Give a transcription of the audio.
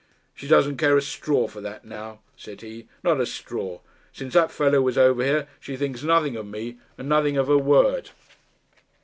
'She doesn't care a straw for that now,' said he. 'Not a straw. Since that fellow was over here, she thinks nothing of me, and nothing of her word.'